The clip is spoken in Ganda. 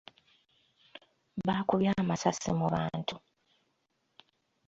Bakubye amasasi mu bantu.